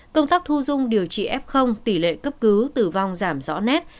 công tác thu dung điều trị f tỷ lệ cấp cứu tử vong giảm rõ nét